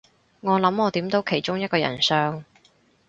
我諗我點到其中一個人相